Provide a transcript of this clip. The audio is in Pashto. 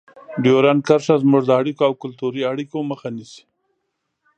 ډیورنډ کرښه زموږ د اړیکو او کلتوري اړیکو مخه نیسي.